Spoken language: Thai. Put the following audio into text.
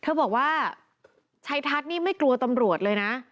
เธอบอกว่าชัยทัศน์นี่ไม่กลัวตำรวจเลยนะ